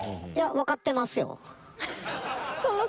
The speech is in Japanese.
分かってますよ。